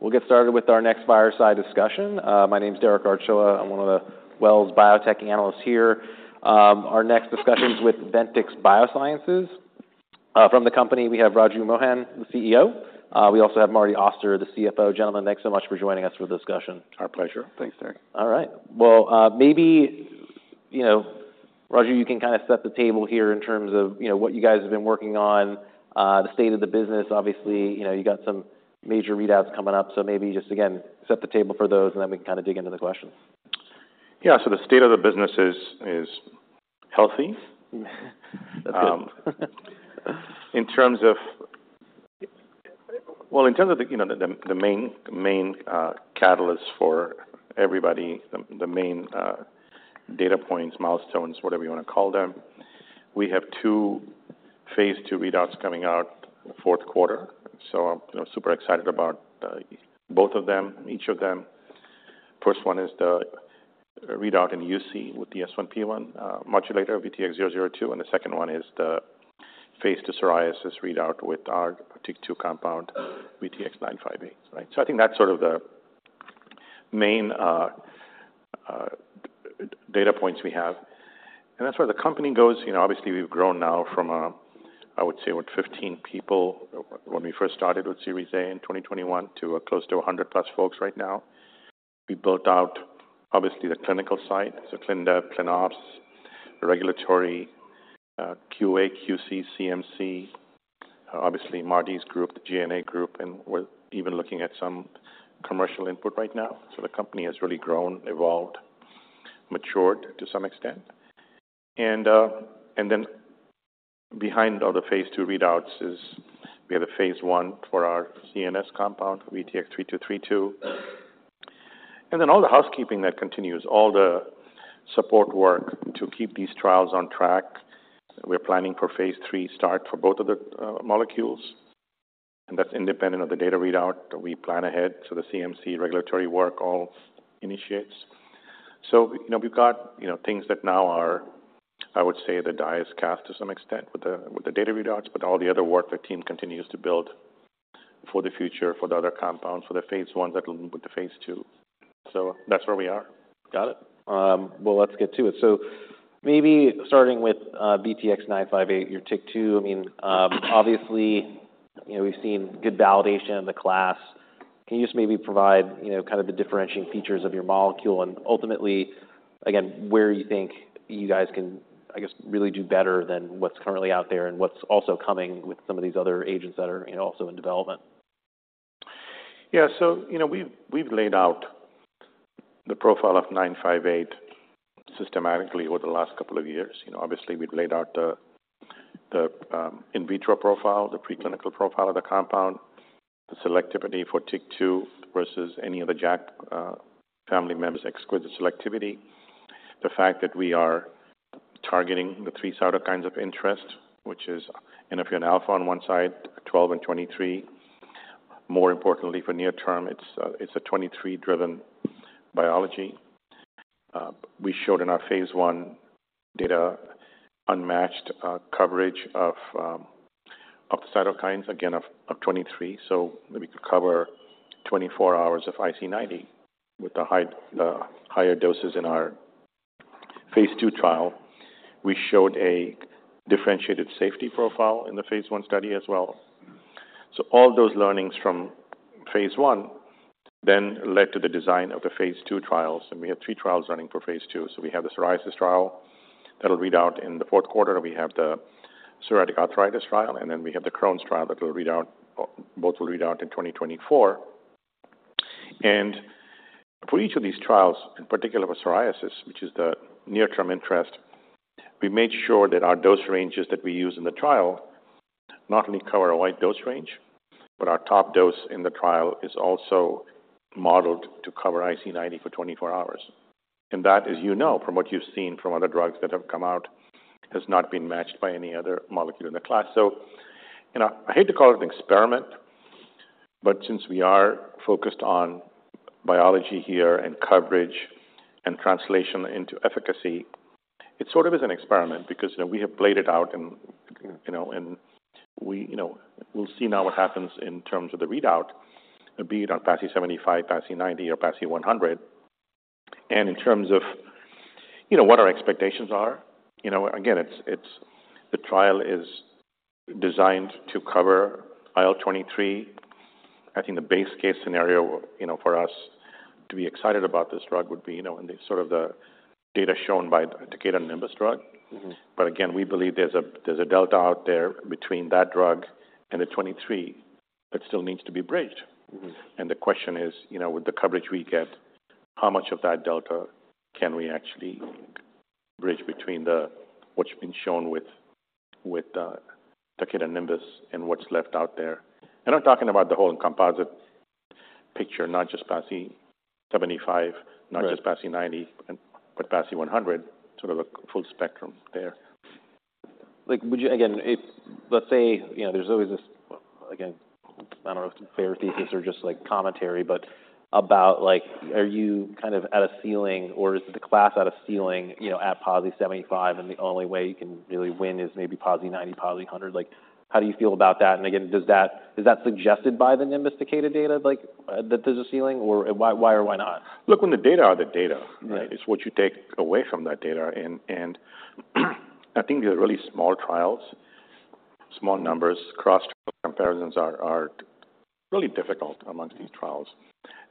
All right, we'll get started with our next fireside discussion. My name is Derek Archila. I'm one of the Wells biotech analysts here. Our next discussion is with Ventyx Biosciences. From the company, we have Raju Mohan, the CEO. We also have Marty Auster, the CFO. Gentlemen, thanks so much for joining us for the discussion. Our pleasure. Thanks, Derek. All right. Well, maybe, you know, Raju, you can kind of set the table here in terms of, you know, what you guys have been working on, the state of the business. Obviously, you know, you got some major readouts coming up, so maybe just again, set the table for those, and then we can kind of dig into the questions. Yeah. So the state of the business is healthy. That's it. In terms of. Well, in terms of the, you know, the, the, the main, the main catalyst for everybody, the, the main data points, milestones, whatever you want to call them, we have two phase 2 readouts coming out Q4. I'm, you know, super excited about both of them, each of them. First one is the readout in UC with the S1P1 modulator, VTX002, and the second one is the phase 2 psoriasis readout with our TYK2 compound, VTX958, right? I think that's sort of the main data points we have, and that's where the company goes. You know, obviously, we've grown now from, I would say, what? 15 people when we first started with Series A in 2021 to close to 100 plus folks right now. We built out, obviously, the clinical side, so ClinDev, ClinOps, Regulatory, QA, QC, CMC, obviously, Marty's group, the G&A group, and we're even looking at some commercial input right now. So the company has really grown, evolved, matured to some extent. And, and then behind all the phase 2 readouts is we have a phase 1 for our CNS compound, VTX3232. And then all the housekeeping that continues, all the support work to keep these trials on track. We're planning for phase 3 start for both of the, molecules, and that's independent of the data readout. We plan ahead, so the CMC regulatory work all initiates. So, you know, we've got, you know, things that now are, I would say, the die is cast to some extent with the, with the data readouts, but all the other work the team continues to build for the future, for the other compounds, for the Phase 1 that will move with the Phase 2. So that's where we are. Got it. Well, let's get to it. So maybe starting with VTX958, your TYK2, I mean, obviously, you know, we've seen good validation of the class. Can you just maybe provide, you know, kind of the differentiating features of your molecule and ultimately, again, where you think you guys can, I guess, really do better than what's currently out there, and what's also coming with some of these other agents that are, you know, also in development? Yeah. So, you know, we've laid out the profile of 958 systematically over the last couple of years. You know, obviously, we've laid out the in vitro profile, the preclinical profile of the compound, the selectivity for TYK2 versus any of the JAK family members, exquisite selectivity. The fact that we are targeting the 3 cytokines of interest, which is interferon alpha on one side, 12 and 23. More importantly, for near term, it's a 23-driven biology. We showed in our phase 1 data unmatched coverage of the cytokines, again, of 23, so that we could cover 24 hours of IC90 with the higher doses in our phase 2 trial. We showed a differentiated safety profile in the phase 1 study as well. So all those learnings from Phase 1 then led to the design of the Phase 2 trials, and we have three trials running for Phase 2. So we have the psoriasis trial that'll read out in the Q4. We have the psoriatic arthritis trial, and then we have the Crohn's trial that will read out, both will read out in 2024. And for each of these trials, in particular for psoriasis, which is the near-term interest, we made sure that our dose ranges that we use in the trial not only cover a wide dose range, but our top dose in the trial is also modeled to cover IC90 for 24 hours. And that, as you know from what you've seen from other drugs that have come out, has not been matched by any other molecule in the class. So, you know, I hate to call it an experiment, but since we are focused on biology here and coverage and translation into efficacy, it sort of is an experiment because, you know, we have laid it out and, you know, and we, you know, we'll see now what happens in terms of the readout, be it on PASI 75, PASI 90 or PASI 100. And in terms of, you know, what our expectations are, you know, again, it's, it's the trial is designed to cover IL-23. I think the base case scenario, you know, for us to be excited about this drug would be, you know, in the sort of the data shown by Takeda Nimbus drug. Mm-hmm. But again, we believe there's a delta out there between that drug and the 23 that still needs to be bridged. Mm-hmm. The question is, you know, with the coverage we get, how much of that delta can we actually bridge between the... what's been shown with, with, Takeda Nimbus and what's left out there? And I'm talking about the whole composite picture, not just PASI 75- Right. Not just PASI 90, but PASI 100, sort of a full spectrum there. Like, would you, again, if, let's say, you know, there's always this, again, I don't know if it's a fair thesis or just, like, commentary, but about, like, are you kind of at a ceiling, or is the class at a ceiling, you know, at PASI 75, and the only way you can really win is maybe PASI 90, PASI 100? Like, how do you feel about that? And again, does that, is that suggested by the Nimbus Takeda data, like, that there's a ceiling, or why, why or why not? Look, when the data are the data- Right. It's what you take away from that data. And I think they're really small trials. Small numbers, cross-trial comparisons are really difficult among these trials.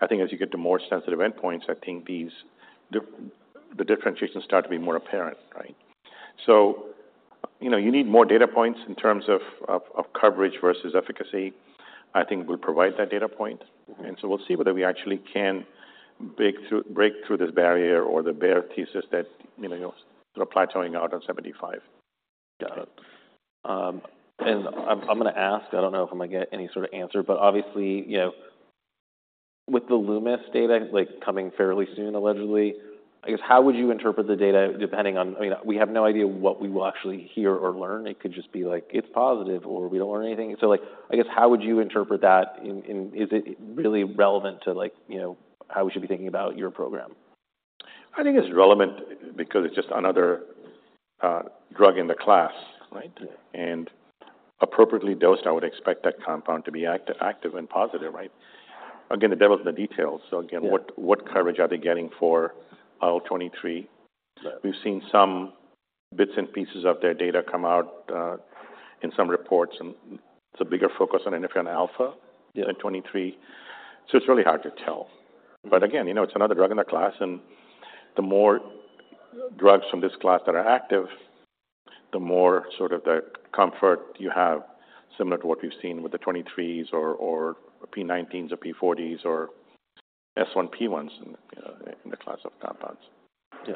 I think as you get to more sensitive endpoints, I think these, the differentiations start to be more apparent, right? So, you know, you need more data points in terms of coverage versus efficacy. I think we provide that data point. Mm-hmm. And so we'll see whether we actually can break through, break through this barrier or the bare thesis that, you know, you'll plateauing out on 75. Got it. I'm gonna ask, I don't know if I'm gonna get any sort of answer, but obviously, you know, with the Alumis data, like, coming fairly soon, allegedly, I guess, how would you interpret the data, depending on... I mean, we have no idea what we will actually hear or learn. It could just be like, "It's positive," or we don't learn anything. So, like, I guess, how would you interpret that and is it really relevant to, like, you know, how we should be thinking about your program? I think it's relevant because it's just another drug in the class, right? Yeah. Appropriately dosed, I would expect that compound to be active and positive, right? Again, the devil's in the details. Yeah. So again, what coverage are they getting for IL-23? Right. We've seen some bits and pieces of their data come out in some reports, and it's a bigger focus on interferon alpha. Yeah In 2023, so it's really hard to tell. Mm-hmm. But again, you know, it's another drug in the class, and the more drugs from this class that are active, the more sort of the comfort you have, similar to what we've seen with the 23s or, or p19s or p40s or S1P1s, you know, in the class of compounds. Yeah.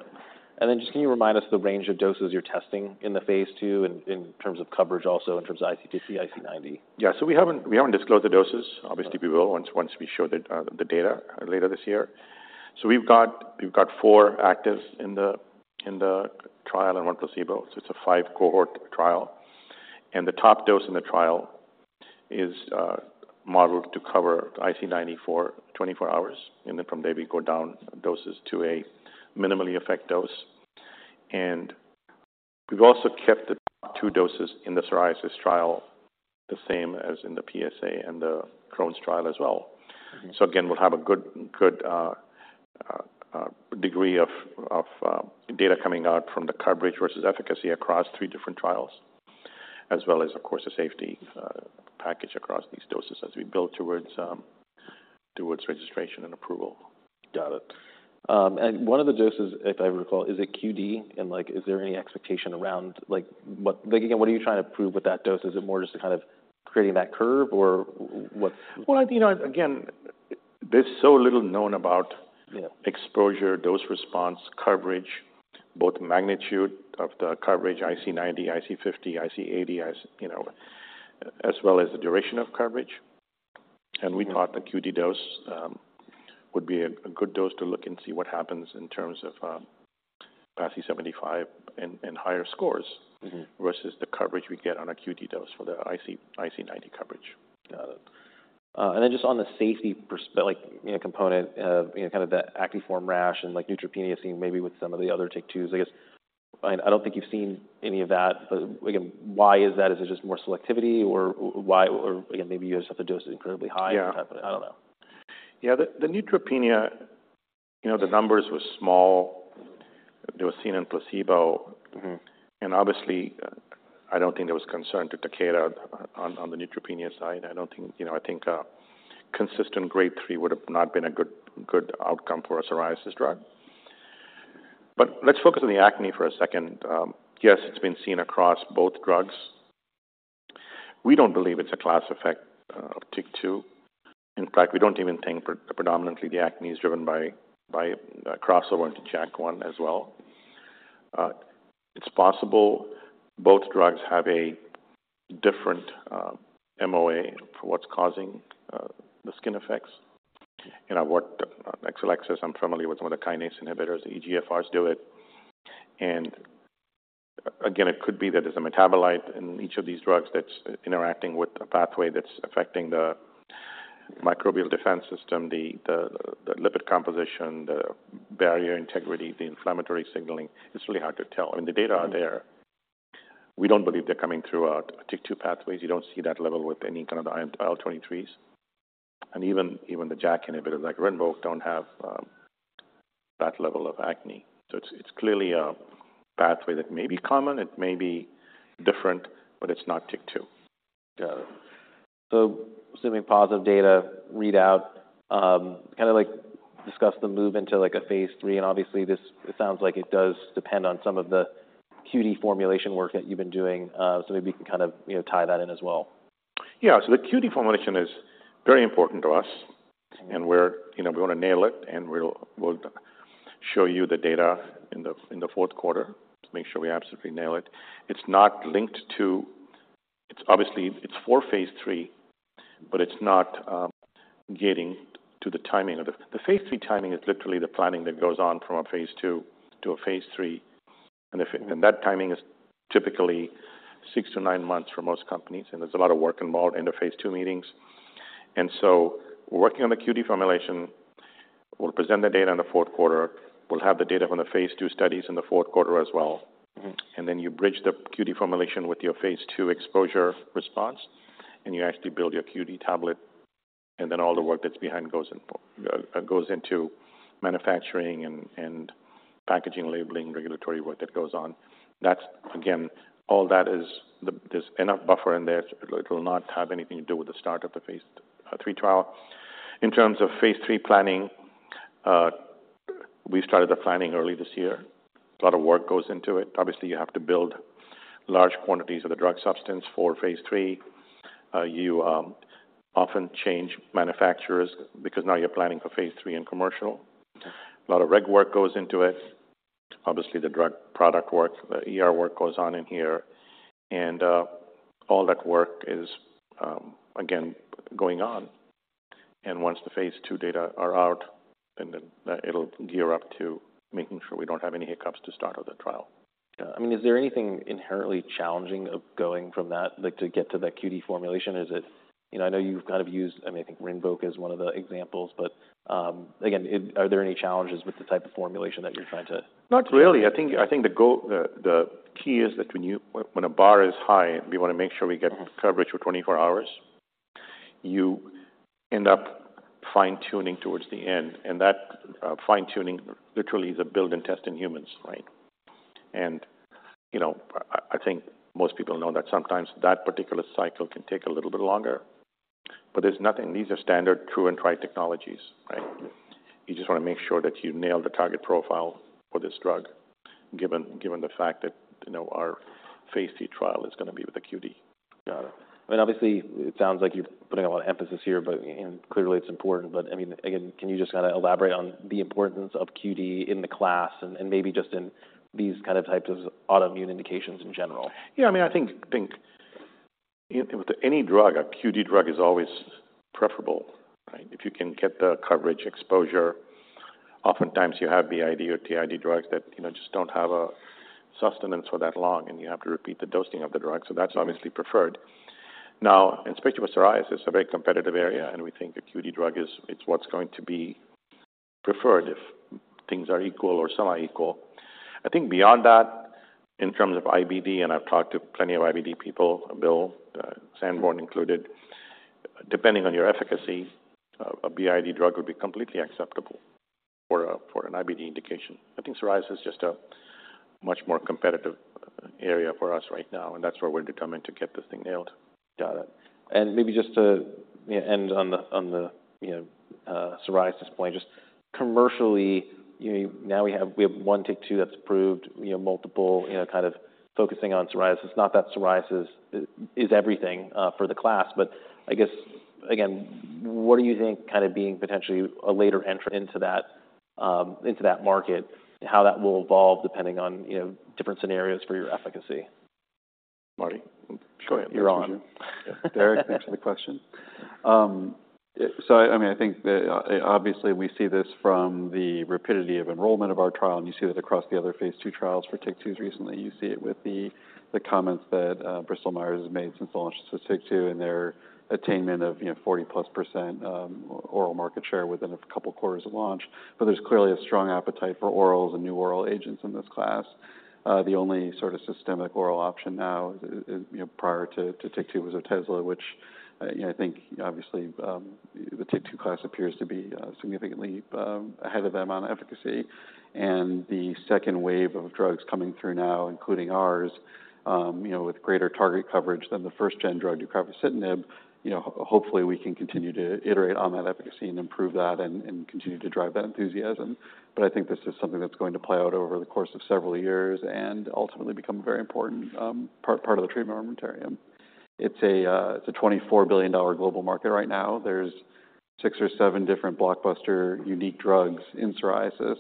And then just can you remind us the range of doses you're testing in the phase 2 in terms of coverage, also in terms of IC50, IC90? Yeah. So we haven't, we haven't disclosed the doses. Okay. Obviously, we will, once we show the data later this year. So we've got four actives in the trial and one placebo, so it's a five-cohort trial. And the top dose in the trial is modeled to cover IC90 for 24 hours, and then from there, we go down doses to a minimally effective dose. And we've also kept the two doses in the psoriasis trial the same as in the PSA and the Crohn's trial as well. Mm-hmm. So again, we'll have a good, good, degree of data coming out from the coverage versus efficacy across three different trials, as well as, of course, the safety package across these doses as we build towards registration and approval. Got it. And one of the doses, if I recall, is a QD, and, like, is there any expectation around... Like, what, again, what are you trying to prove with that dose? Is it more just to kind of creating that curve or what? Well, you know, again, there's so little known about... Yeah exposure, dose response, coverage, both magnitude of the coverage, IC90, IC50, IC80, as you know, as well as the duration of coverage. Mm-hmm. We thought the QD dose would be a good dose to look and see what happens in terms of PASI 75 and higher scores- Mm-hmm Versus the coverage we get on a QD dose for the IC50, IC90 coverage. Got it. And then just on the safety perspective—like, you know, component of, you know, kind of that acneiform rash and, like, neutropenia seen maybe with some of the other TYK2s, I guess, I don't think you've seen any of that. But again, why is that? Is it just more selectivity, or why, or again, maybe you just have to dose it incredibly high? Yeah. I don't know. Yeah, the neutropenia, you know, the numbers were small. They were seen in placebo. Mm-hmm. And obviously, I don't think there was concern to Takeda on, on the neutropenia side. I don't think... You know, I think a consistent grade three would have not been a good, good outcome for a psoriasis drug. But let's focus on the acne for a second. Yes, it's been seen across both drugs. We don't believe it's a class effect of TYK2. In fact, we don't even think predominantly the acne is driven by crossover into JAK1 as well. It's possible both drugs have a different MOA for what's causing the skin effects. You know, I worked on Exelixis. I'm familiar with some of the kinase inhibitors, the EGFRs do it. Again, it could be that there's a metabolite in each of these drugs that's interacting with a pathway that's affecting the microbial defense system, the lipid composition, the barrier integrity, the inflammatory signaling. It's really hard to tell. I mean, the data are there. Mm-hmm. We don't believe they're coming through our TYK2 pathways. You don't see that level with any kind of IL-23s, and even, even the JAK inhibitor, like Rinvoq, don't have that level of acne. So it's, it's clearly a pathway that may be common, it may be different, but it's not TYK2. Got it. So assuming positive data readout, kind of like discuss the move into, like, a Phase 3, and obviously, this, it sounds like it does depend on some of the QD formulation work that you've been doing. So maybe you can kind of, you know, tie that in as well. Yeah. So the QD formulation is very important to us, and we're, you know, we want to nail it, and we'll show you the data in the Q4 to make sure we absolutely nail it. It's not linked to it. It's obviously, it's for phase 3, but it's not getting to the timing of it. The phase 3 timing is literally the planning that goes on from a phase 2 to a phase 3, and that timing is typically 6-9 months for most companies, and there's a lot of work involved in the phase 2 meetings. And so working on the QD formulation, we'll present the data in the Q4. We'll have the data from the phase 2 studies in the Q4 as well. Mm-hmm. And then you bridge the QD formulation with your phase 2 exposure response, and you actually build your QD tablet, and then all the work that's behind goes into manufacturing and packaging, labeling, regulatory work that goes on. That's, again, all that is. There's enough buffer in there. It will not have anything to do with the start of the phase 3 trial. In terms of phase 3 planning, we started the planning early this year. A lot of work goes into it. Obviously, you have to build large quantities of the drug substance for phase 3. You often change manufacturers because now you're planning for phase 3 and commercial. Mm. A lot of reg work goes into it. Obviously, the drug product work, the ER work goes on in here, and all that work is, again, going on. And once the Phase 2 data are out, then that'll gear up to making sure we don't have any hiccups to start with the trial. Yeah. I mean, is there anything inherently challenging of going from that, like, to get to that QD formulation? Is it... You know, I know you've kind of used, I mean, I think Rinvoq is one of the examples, but again, are there any challenges with the type of formulation that you're trying to- Not really. I think the key is that when a bar is high, we wanna make sure we get- Mm... coverage for 24 hours. You end up fine-tuning towards the end, and that, fine-tuning literally is a build and test in humans, right? And, you know, I think most people know that sometimes that particular cycle can take a little bit longer, but there's nothing... These are standard, true, and tried technologies, right? Mm. You just wanna make sure that you nail the target profile for this drug, given the fact that, you know, our Phase 3 trial is gonna be with the QD. Got it. And obviously, it sounds like you're putting a lot of emphasis here, but clearly it's important. But, I mean, again, can you just kind of elaborate on the importance of QD in the class and maybe just in these kind of types of autoimmune indications in general? Yeah, I mean, I think with any drug, a QD drug is always preferable, right? If you can get the coverage exposure, oftentimes you have the BID or TID drugs that, you know, just don't have a sustenance for that long, and you have to repeat the dosing of the drug, so that's obviously preferred. Now, especially with psoriasis, a very competitive area, and we think a QD drug is, it's what's going to be preferred if things are equal or semi-equal. I think beyond that, in terms of IBD, and I've talked to plenty of IBD people, Bill Sandborn included, depending on your efficacy, a BID drug would be completely acceptable for an IBD indication. I think psoriasis is just a much more competitive area for us right now, and that's where we're determined to get this thing nailed. Got it. And maybe just to, you know, end on the, on the, you know, psoriasis point, just commercially, you know, now we have, we have one TYK2 that's approved, you know, multiple, you know, kind of focusing on psoriasis. Not that psoriasis is everything, for the class, but I guess, again, what do you think kind of being potentially a later entry into that, into that market, how that will evolve depending on, you know, different scenarios for your efficacy? Marty? Go ahead. You're on. Derek, answer the question. So, I mean, I think the obviously we see this from the rapidity of enrollment of our trial, and you see that across the other phase 2 trials for TYK2s recently. You see it with the comments that Bristol Myers has made since the launch of TYK2 and their attainment of, you know, 40%+ oral market share within a couple quarters of launch. But there's clearly a strong appetite for orals and new oral agents in this class. The only sort of systemic oral option now is, you know, prior to TYK2 was Otezla, which, you know, I think obviously the TYK2 class appears to be significantly ahead of them on efficacy. And the second wave of drugs coming through now, including ours, you know, with greater target coverage than the first gen drug, deucravacitinib, you know, hopefully, we can continue to iterate on that efficacy and improve that and, and continue to drive that enthusiasm. But I think this is something that's going to play out over the course of several years and ultimately become a very important, part, part of the treatment armamentarium. It's a, it's a $24 billion global market right now. There's six or seven different blockbuster, unique drugs in psoriasis.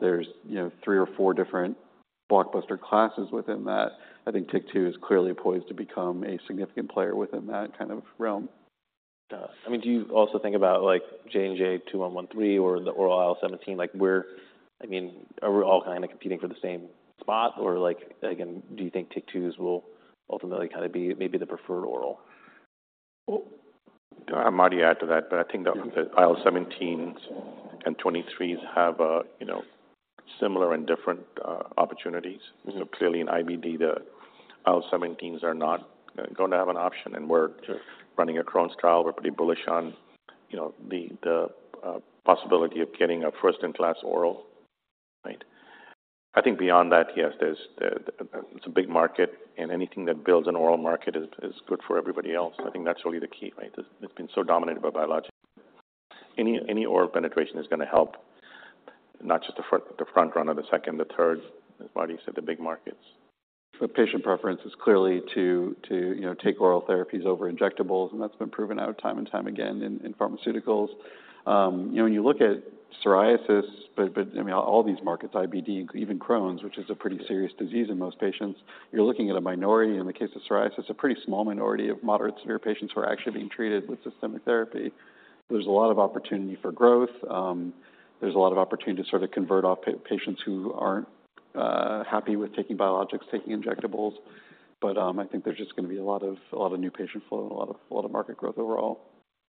There's, you know, three or four different blockbuster classes within that. I think TAK-2 is clearly poised to become a significant player within that kind of realm. Got it. I mean, do you also think about, like, JNJ-2113 or the oral IL-17? Like, we're... I mean, are we all kind of competing for the same spot, or like, again, do you think TYK2s will ultimately kind of be maybe the preferred oral? Well, I'll maybe add to that, but I think the- Mm The IL-17s and IL-23s have a, you know, similar and different opportunities. Mm-hmm. You know, clearly in IBD, the IL-17s are not gonna have an option, and we're- Sure Running a Crohn's trial. We're pretty bullish on, you know, the possibility of getting a first-in-class oral. Right? I think beyond that, yes, there's the... It's a big market, and anything that builds an oral market is good for everybody else. I think that's really the key, right? It's been so dominated by biologics. Any oral penetration is gonna help. Not just the front, the front runner, the second, the third, as Marty said, the big markets. The patient preference is clearly to, you know, take oral therapies over injectables, and that's been proven out time and time again in pharmaceuticals. You know, when you look at psoriasis, but, I mean, all these markets, IBD, even Crohn's, which is a pretty serious disease in most patients, you're looking at a minority. In the case of psoriasis, a pretty small minority of moderate severe patients who are actually being treated with systemic therapy. There's a lot of opportunity for growth. There's a lot of opportunity to sort of convert off patients who aren't happy with taking biologics, taking injectables. But, I think there's just gonna be a lot of, a lot of new patient flow and a lot of, lot of market growth overall.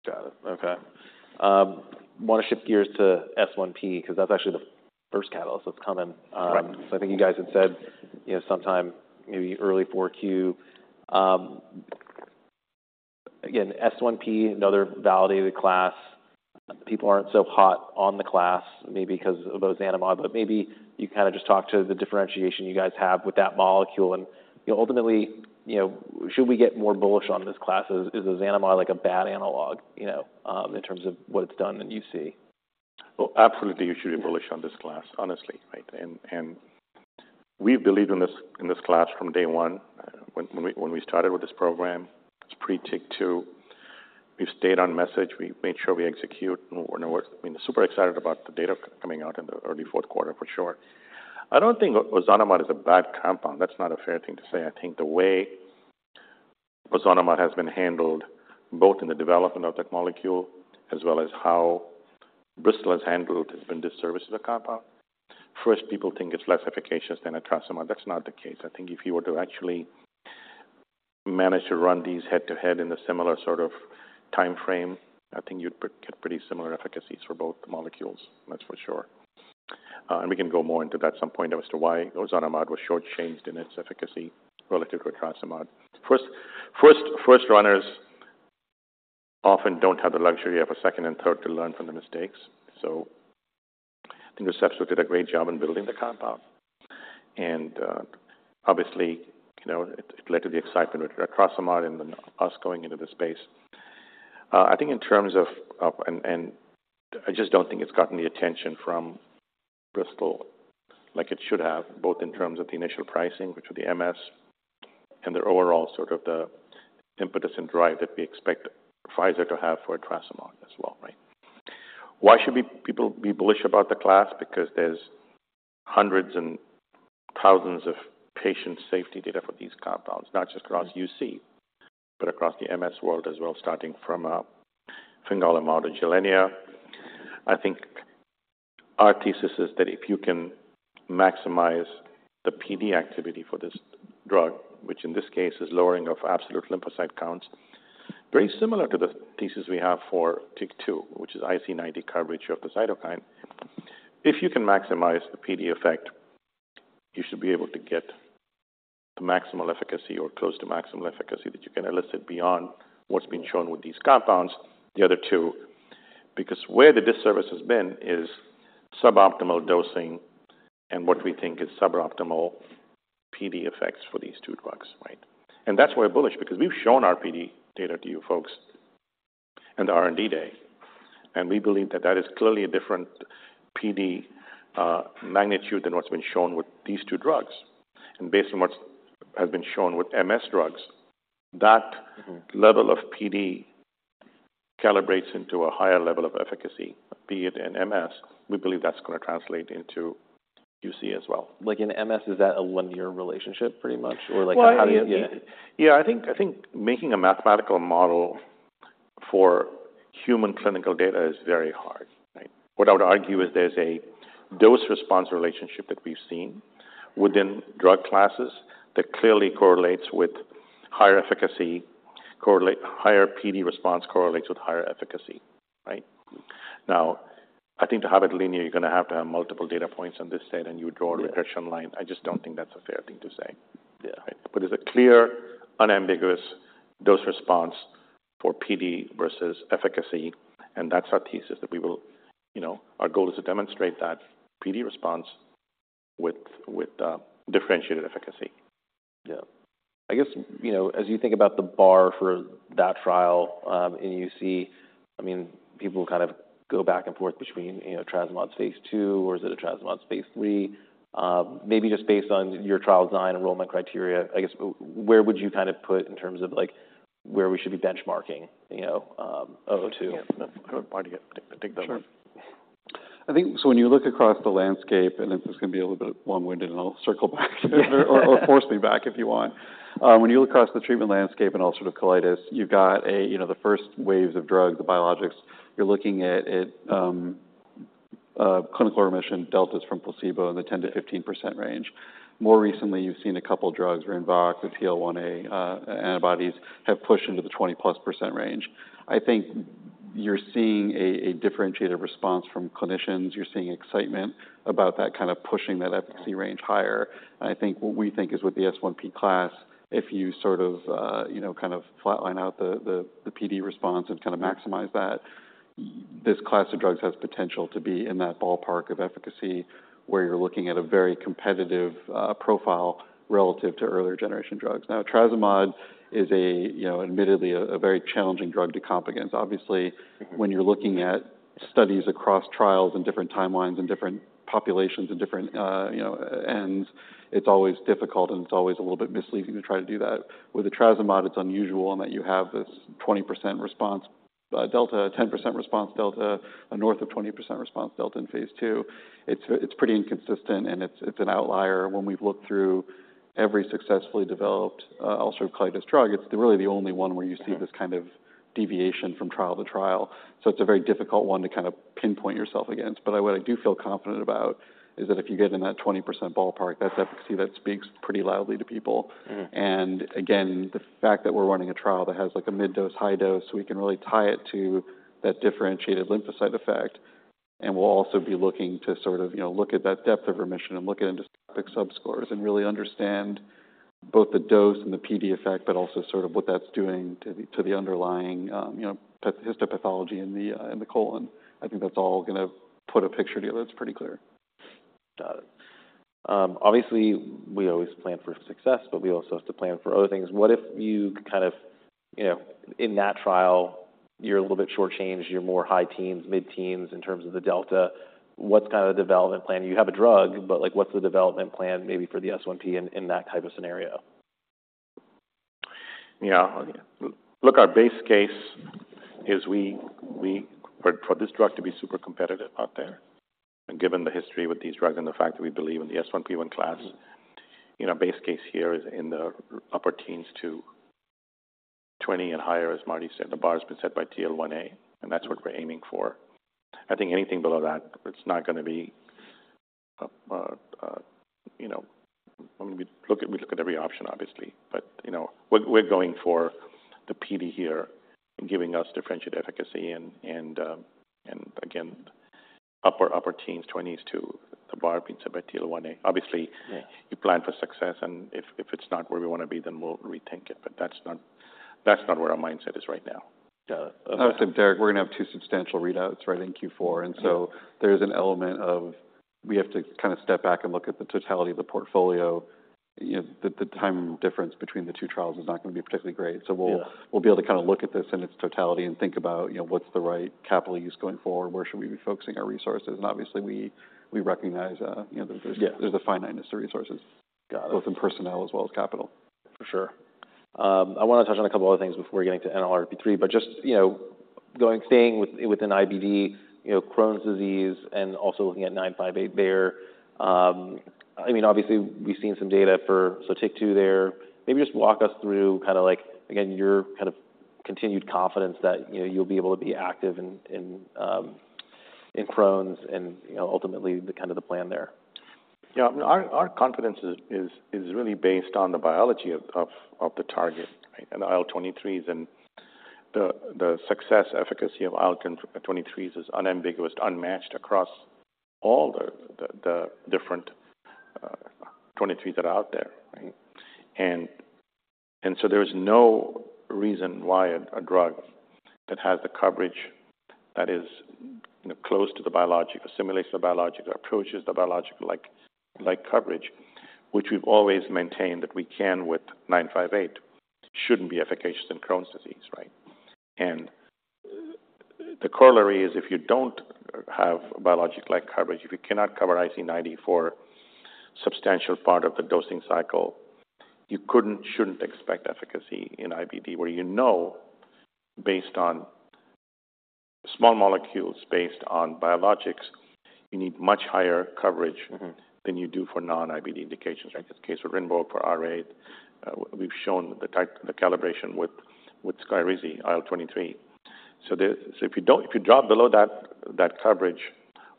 Got it. Okay. Wanna shift gears to S1P, 'cause that's actually the first catalyst that's coming. Right. So I think you guys had said, you know, sometime, maybe early Q4. Again, S1P, another validated class. People aren't so hot on the class, maybe 'cause of ozanimod, but maybe you kind of just talk to the differentiation you guys have with that molecule, and, you know, ultimately, you know, should we get more bullish on this class? Is ozanimod like a bad analog, you know, in terms of what it's done and you see? Well, absolutely, you should be bullish on this class, honestly, right? And, and we believed in this, in this class from day one. When, when we, when we started with this program, it's pre-TYK2. We've stayed on message. We've made sure we execute, and we're, we're super excited about the data coming out in the early Q4, for sure. I don't think ozanimod is a bad compound. That's not a fair thing to say. I think the way ozanimod has been handled, both in the development of that molecule, as well as how Bristol has handled, has been a disservice to the compound. First, people think it's less efficacious than etrasimod. That's not the case. I think if you were to actually manage to run these head-to-head in a similar sort of timeframe, I think you'd get pretty similar efficacies for both molecules, that's for sure. And we can go more into that at some point as to why ozanimod was short-changed in its efficacy relative to etrasimod. First runners often don't have the luxury of a second and third to learn from the mistakes, so I think Receptos did a great job in building the compound. And, obviously, you know, it led to the excitement with etrasimod and then us going into the space. I think in terms of. And I just don't think it's gotten the attention from Bristol like it should have, both in terms of the initial pricing, which were the MS, and their overall sort of the impetus and drive that we expect Pfizer to have for etrasimod as well, right? Why should people be bullish about the class? Because there's hundreds and thousands of patient safety data for these compounds, not just across UC, but across the MS world as well, starting from fingolimod or Gilenya. I think our thesis is that if you can maximize the PD activity for this drug, which in this case is lowering of absolute lymphocyte counts, very similar to the thesis we have for TYK2, which is IC90 coverage of the cytokine. If you can maximize the PD effect, you should be able to get the maximal efficacy or close to maximal efficacy that you can elicit beyond what's been shown with these compounds, the other two. Because where the disservice has been is suboptimal dosing and what we think is suboptimal PD effects for these two drugs, right? And that's why we're bullish, because we've shown our PD data to you folks in the R&D day, and we believe that that is clearly a different PD magnitude than what's been shown with these two drugs. And based on what has been shown with MS drugs, that- Mm-hmm Level of PD calibrates into a higher level of efficacy, be it in MS. We believe that's gonna translate into UC as well. Like, in MS, is that a linear relationship pretty much? Or, like, how do you- Well, yeah. Yeah, I think, I think making a mathematical model for human clinical data is very hard, right? What I would argue is there's a dose-response relationship that we've seen within drug classes that clearly correlates with higher efficacy, higher PD response correlates with higher efficacy, right? Mm-hmm. Now, I think to have it linear, you're gonna have to have multiple data points on this set, and you draw a regression- Yeah Line. I just don't think that's a fair thing to say. Yeah. There's a clear, unambiguous dose response for PD versus efficacy, and that's our thesis, that we will... You know, our goal is to demonstrate that PD response with differentiated efficacy. Yeah. I guess, you know, as you think about the bar for that trial, in UC, I mean, people kind of go back and forth between, you know, etrasimod phase 2, or is it etrasimod phase 3? Maybe just based on your trial design, enrollment criteria, I guess, where would you kind of put in terms of, like, where we should be benchmarking, you know, VTX002? Yeah. Why don't you take that one? Sure. I think, so when you look across the landscape, and this is gonna be a little bit long-winded, and I'll circle back -... or force me back if you want. When you look across the treatment landscape in ulcerative colitis, you've got a, you know, the first waves of drugs, the biologics, you're looking at clinical remission deltas from placebo in the 10%-15% range. More recently, you've seen a couple drugs, Rinvoq, the TL1A, antibodies, have pushed into the 20%+ range. I think you're seeing a differentiated response from clinicians. You're seeing excitement about that, kind of pushing that efficacy- Mm-hmm Range higher. And I think what we think is with the S1P class, if you sort of, you know, kind of flatline out the, the PD response and kind of maximize that, this class of drugs has potential to be in that ballpark of efficacy, where you're looking at a very competitive profile relative to earlier generation drugs. Now, etrasimod is a, you know, admittedly a very challenging drug to compete against. Mm-hmm. Obviously, when you're looking at studies across trials and different timelines, and different populations, and different, you know, and it's always difficult, and it's always a little bit misleading to try to do that. With etrasimod, it's unusual in that you have this 20% response delta, 10% response delta, a north of 20% response delta in phase 2. It's, it's pretty inconsistent, and it's, it's an outlier. When we've looked through every successfully developed, ulcerative colitis drug, it's really the only one where you see this kind of deviation from trial to trial. So it's a very difficult one to kind of pinpoint yourself against. But what I do feel confident about is that if you get in that 20% ballpark, that's efficacy that speaks pretty loudly to people. Mm-hmm. And again, the fact that we're running a trial that has, like, a mid-dose, high dose, we can really tie it to that differentiated lymphocyte effect, and we'll also be looking to sort of, you know, look at that depth of remission and look at histopathologic subscores and really understand both the dose and the PD effect, but also sort of what that's doing to the, to the underlying, you know, histopathology in the, in the colon. I think that's all gonna put a picture together that's pretty clear. Got it. Obviously, we always plan for success, but we also have to plan for other things. What if you kind of, you know, in that trial, you're a little bit short-changed, you're more high teens, mid-teens in terms of the delta? What's kind of the development plan? You have a drug, but, like, what's the development plan maybe for the S1P in, in that type of scenario? Yeah. Look, our base case is we for this drug to be super competitive out there, and given the history with these drugs and the fact that we believe in the S1P1 class- Mm-hmm. You know, base case here is in the upper teens to 20 and higher. As Marty said, the bar has been set by TL1A, and that's what we're aiming for. I think anything below that, it's not gonna be, you know... I mean, we look, we look at every option, obviously, but, you know, we're, we're going for the PD here and giving us differentiated efficacy and, and, and again, upper teens, 20s to the bar being set by TL1A. Obviously- Yeah You plan for success, and if it's not where we want to be, then we'll rethink it, but that's not where our mindset is right now. Got it. I would say, Derek, we're going to have two substantial readouts, right, in Q4. Yeah. So there's an element of, we have to kind of step back and look at the totality of the portfolio. You know, the time difference between the two trials is not going to be particularly great. Yeah. So we'll be able to kind of look at this in its totality and think about, you know, what's the right capital use going forward? Where should we be focusing our resources? And obviously, we recognize, you know, that there's- Yeah There's a finiteness to resources- Got it - both in personnel as well as capital. For sure. I want to touch on a couple other things before getting to NLRP3, but just, you know, staying within IBD, you know, Crohn's disease and also looking at 958 there. I mean, obviously, we've seen some data for Sotyktu there. Maybe just walk us through kind of like, again, your kind of continued confidence that, you know, you'll be able to be active in Crohn's and, you know, ultimately, the kind of the plan there. Yeah. Our confidence is really based on the biology of the target, right? And IL-23s and the success efficacy of IL-23s is unambiguous, unmatched across all the different 23s that are out there, right? And so there is no reason why a drug that has the coverage that is, you know, close to the biologic, assimilates the biologic, approaches the biologic-like coverage, which we've always maintained that we can with 958, shouldn't be efficacious in Crohn's disease, right? And the corollary is, if you don't have biologic-like coverage, if you cannot cover IC90 for a substantial part of the dosing cycle, you couldn't, shouldn't expect efficacy in IBD, where you know, based on small molecules, based on biologics, you need much higher coverage. Mm-hmm Than you do for non-IBD indications. Like in the case of Rinvoq for RA, we've shown the type, the calibration with Skyrizi IL-23. So if you don't, if you drop below that coverage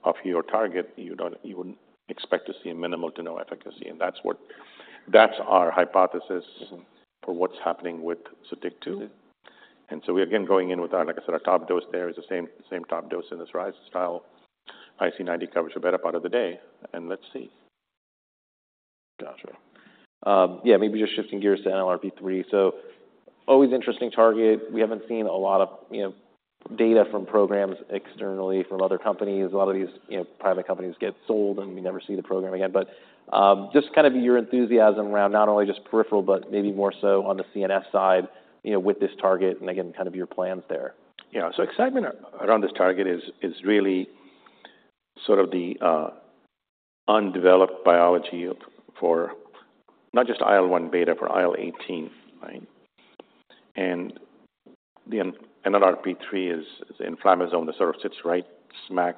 of your target, you wouldn't expect to see a minimal to no efficacy, and that's our hypothesis. Mm-hmm For what's happening with Sotyktu. Mm-hmm. So we're, again, going in with our, like I said, our top dose there is the same, same top dose in this rise style. IC90 covers a beta part of the day, and let's see. Got you. Yeah, maybe just shifting gears to NLRP3. So, always interesting target. We haven't seen a lot of, you know, data from programs externally from other companies. A lot of these, you know, private companies get sold, and we never see the program again. But, just kind of your enthusiasm around not only just peripheral, but maybe more so on the CNS side, you know, with this target, and again, kind of your plans there. Yeah. So excitement around this target is really sort of the undeveloped biology of, for not just IL-1 beta, for IL-18, right? And the NLRP3 is the inflammasome that sort of sits right smack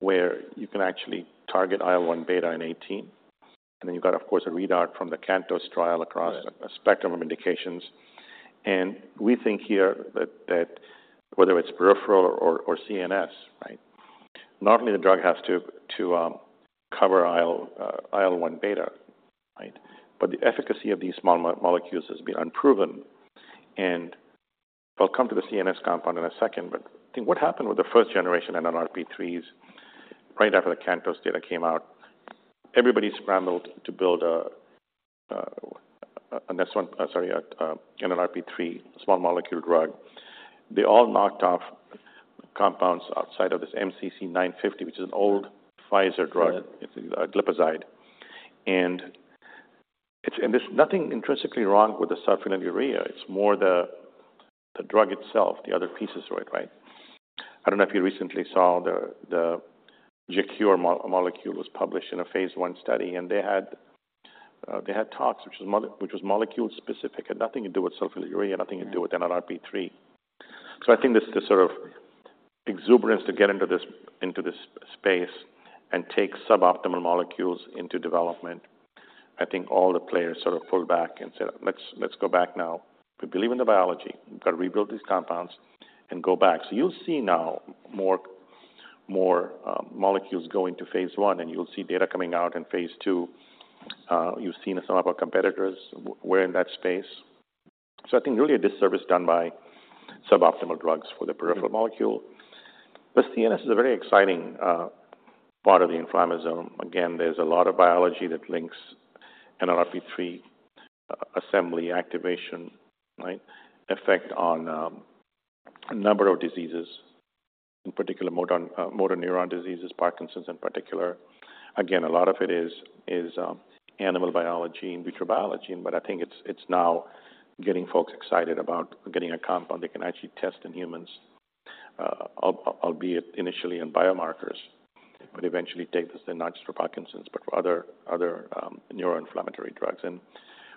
where you can actually target IL-1 beta and IL-18. And then you've got, of course, a readout from the CANTOS trial across- Right A spectrum of indications. We think here that whether it's peripheral or CNS, right, not only the drug has to cover IL-1 beta, right? But the efficacy of these small molecules has been unproven. I'll come to the CNS compound in a second, but I think what happened with the first generation NLRP3s, right after the CANTOS data came out, everybody scrambled to build a NLRP3 small molecule drug. They all knocked off compounds outside of this MCC950, which is an old Pfizer drug- Right Glipizide. It's, there's nothing intrinsically wrong with the sulfonylurea, it's more the drug itself, the other pieces to it, right? I don't know if you recently saw the Jecure molecule was published in a phase 1 study, and they had tox, which was molecule-specific and nothing to do with sulfonylurea, nothing to do with NLRP3. So I think this is the sort of exuberance to get into this space and take suboptimal molecules into development. I think all the players sort of pulled back and said, "Let's go back now. We believe in the biology. We've got to rebuild these compounds and go back." So you'll see now more molecules going to phase 1, and you'll see data coming out in phase 2. You've seen some of our competitors we're in that space. So I think really a disservice done by suboptimal drugs for the peripheral molecule. But CNS is a very exciting part of the inflammasome. Again, there's a lot of biology that links NLRP3 assembly, activation, right, effect on a number of diseases, in particular, motor neuron diseases, Parkinson's in particular. Again, a lot of it is animal biology and in vitro biology, but I think it's now getting folks excited about getting a compound they can actually test in humans, albeit initially in biomarkers, but eventually take this not just for Parkinson's, but for other neuroinflammatory drugs. And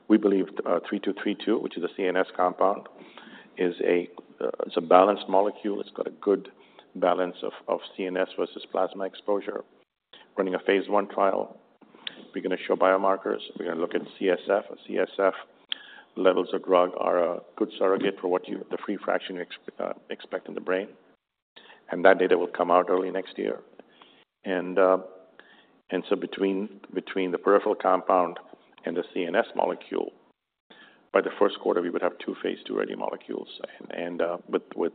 we believe VTX3232, which is a CNS compound, is a balanced molecule. It's got a good balance of CNS versus plasma exposure. Running a phase I trial. We're gonna show biomarkers. We're gonna look at CSF. CSF levels of drug are a good surrogate for what you... the free fraction expect in the brain, and that data will come out early next year. And so between the peripheral compound and the CNS molecule, by the Q1, we would have two phase II-ready molecules, and with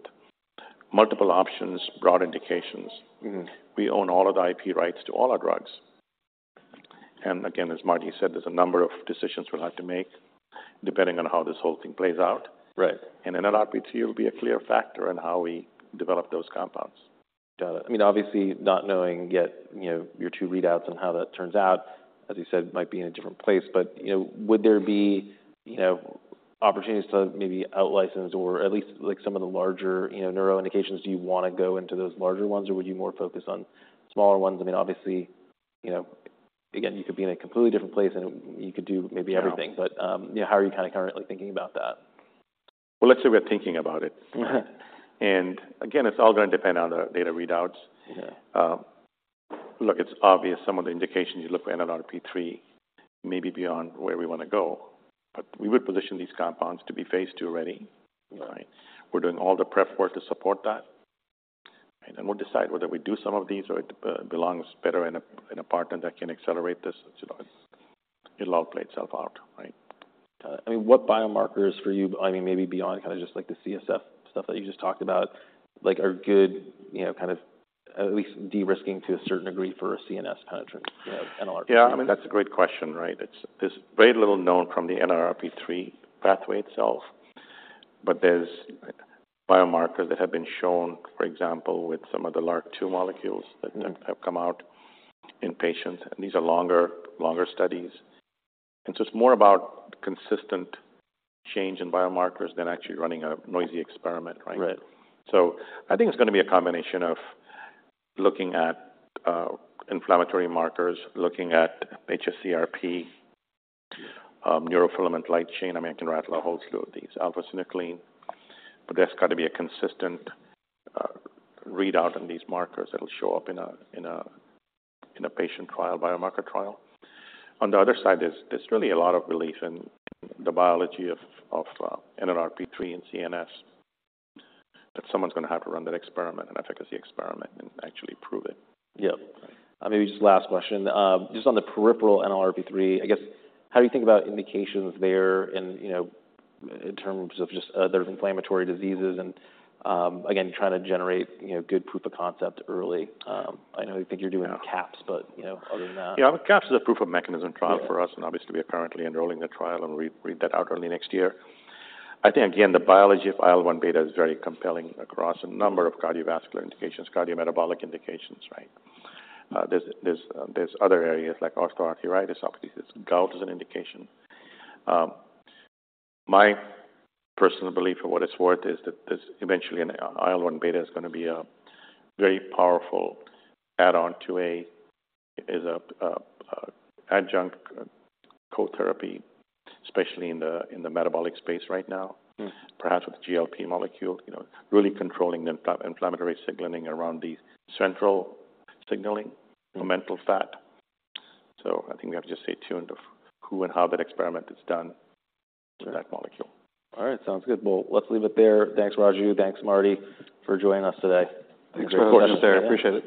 multiple options, broad indications. Mm-hmm. We own all of the IP rights to all our drugs, and again, as Marty said, there's a number of decisions we'll have to make depending on how this whole thing plays out. Right. NLRP3 will be a clear factor in how we develop those compounds. Got it. I mean, obviously, not knowing yet, you know, your 2 readouts and how that turns out, as you said, might be in a different place, but, you know, would there be, you know, opportunities to maybe out-license or at least, like, some of the larger, you know, neuro indications? Do you want to go into those larger ones, or would you more focus on smaller ones? I mean, obviously, you know, again, you could be in a completely different place, and you could do maybe everything. Yeah. You know, how are you kind of currently thinking about that? Well, let's say we're thinking about it. Again, it's all gonna depend on the data readouts. Yeah. Look, it's obvious some of the indications you look for NLRP3 may be beyond where we want to go, but we would position these compounds to be Phase II ready. Right. We're doing all the prep work to support that, and then we'll decide whether we do some of these, or it belongs better in a partner that can accelerate this. It'll all play itself out, right? Got it. I mean, what biomarkers for you, I mean, maybe beyond kind of just like the CSF stuff that you just talked about, like, are good, you know, kind of at least de-risking to a certain degree for a CNS penetrant, you know, NLRP3? Yeah, I mean, that's a great question, right? It's... There's very little known from the NLRP3 pathway itself, but there's biomarkers that have been shown, for example, with some of the LRRK2 molecules Mm-hmm That have come out in patients, and these are longer, longer studies. And so it's more about consistent change in biomarkers than actually running a noisy experiment, right? Right. So I think it's gonna be a combination of looking at inflammatory markers, looking at hs-CRP, neurofilament light chain. I mean, I can rattle a whole slew of these, alpha-synuclein, but there's got to be a consistent readout on these markers that'll show up in a patient trial, biomarker trial. On the other side, there's really a lot of belief in the biology of NLRP3 and CNS, but someone's gonna have to run that experiment, an efficacy experiment, and actually prove it. Yeah. Right. Maybe just last question. Just on the peripheral NLRP3, I guess, how do you think about indications there and, you know, in terms of just other inflammatory diseases, and, again, trying to generate, you know, good proof of concept early? I know you think you're doing- Yeah... CAPS, but, you know, other than that. Yeah, CAPS is a proof of mechanism trial for us- Yeah And obviously, we are currently enrolling the trial, and we'll read that out early next year. I think, again, the biology of IL-1 beta is very compelling across a number of cardiovascular indications, cardiometabolic indications, right? There's other areas like osteoarthritis, obviously, gout is an indication. My personal belief, for what it's worth, is that this eventually an IL-1 beta is gonna be a very powerful add-on to a, as a adjunct co-therapy, especially in the metabolic space right now. Mm. Perhaps with GLP molecule, you know, really controlling the inflammatory signaling around the central signaling, adipose fat. So I think we have to just stay tuned to who and how that experiment is done. Sure With that molecule. All right, sounds good. Well, let's leave it there. Thanks, Raju. Thanks, Marty, for joining us today. Thanks for the question. I appreciate it.